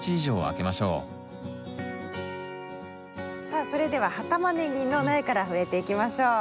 さあそれでは葉タマネギの苗から植えていきましょう。